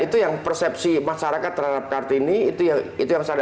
itu yang persepsi masyarakat terhadap kart ini itu yang salah